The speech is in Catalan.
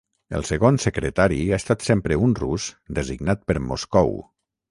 El segon secretari ha estat sempre un rus designat per Moscou.